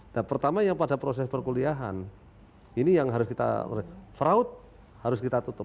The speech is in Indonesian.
nah pertama yang pada proses perkuliahan ini yang harus kita fraud harus kita tutup